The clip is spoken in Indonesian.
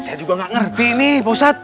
saya juga gak ngerti nih ustadz